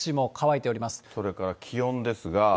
それから気温ですが。